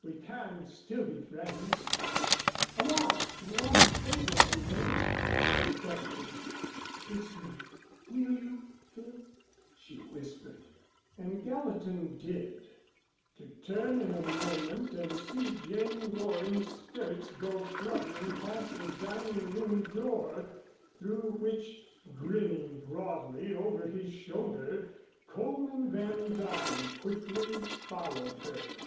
We can still be friends. I want one favor of you, though." He questioned. "Kiss me, will you, Phil?" she whispered. And Gallatin did; to turn in a moment and see Jane Loring's skirts go fluttering past the dining room door, through which, grinning broadly over his shoulder, Coleman Van Duyn quickly followed her.